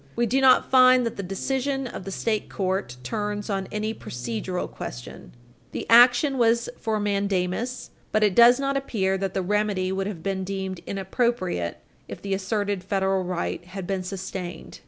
We do not find that the decision of the state court turns on any procedural question. The action was for mandamus, but it does not appear that the remedy would have been deemed inappropriate if the asserted federal right had been sustained.